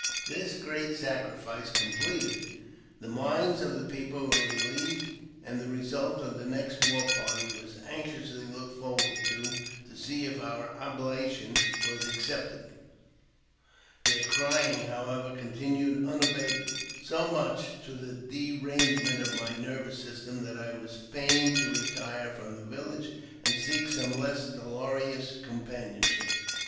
"^^ This great sacrifice completed, the minds of the people were relieved, and the result of the next war party was anxiously looked forward to to see if our oblation was accepted. Their crying, however, continued unabated, so much to the derange ment of my nervous system that I was fain to retire from the village and seek some less dolorous companionship.